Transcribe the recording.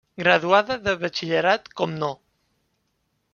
Graduada de Batxillerat com No.